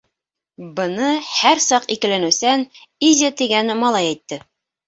- Быны һәр саҡ икеләнеүсән Изя тигән малай әйтте.